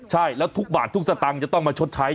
ใช่แล้วทุกบาททุกสตางค์จะต้องมาชดใช้